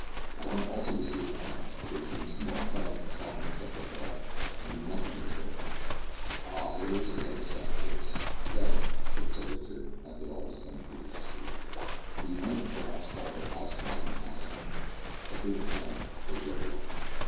I went also to see his parents, but they seemed too much cut up to talk on the subject at all, and knew nothing of his whereabouts." "Ah! it is a very sad case very," said Sir Richard, as they all descended to the street. "We might, perhaps, call at their house to night in passing." Entering a cab, they drove away.